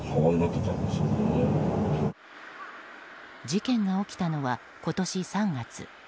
事件が起きたのは今年３月。